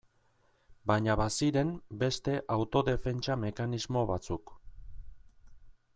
Baina baziren beste autodefentsa mekanismo batzuk.